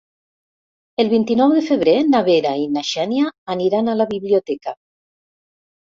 El vint-i-nou de febrer na Vera i na Xènia aniran a la biblioteca.